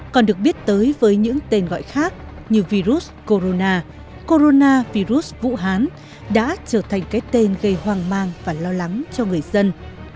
còn được biết tới với những tên gọi khác như virus corona corona virus vũ hán đã trở thành cái tên gây hoang mang và lo lắng cho người dân